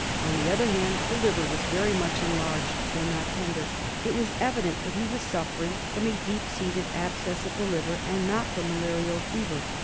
On the other hand, the liver was very much enlarged, although not tender. It was evident that he was suffering from a deep seated abscess of the liver, and not from malarial fever.